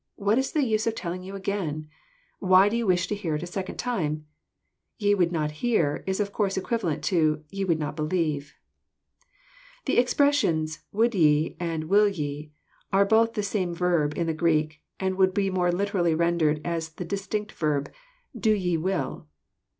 What is the use of telling it again ? Why do you want to hear it a second time ?"*' Ye would not hear " is of course equivalent to ye would not believe." The expressions, " would ye " and " will ye, are both the same verb in the Greek, and would be more literally rendered AS a distinct verb, do ye will."